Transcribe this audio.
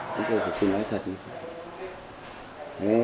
chúng tôi phải trình nói thật như thế